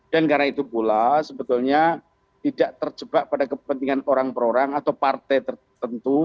dan karena itu pula sebetulnya tidak terjebak pada kepentingan orang orang atau partai tertentu